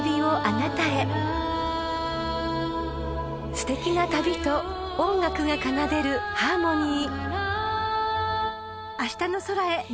［すてきな旅と音楽が奏でるハーモニー］